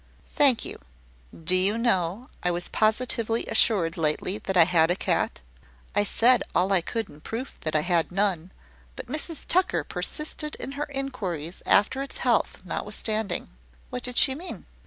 "Thank you. Do you know, I was positively assured lately that I had a cat? I said all I could in proof that I had none; but Mrs Tucker persisted in her inquiries after its health, notwithstanding." "What did she mean?"